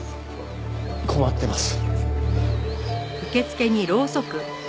困ってます。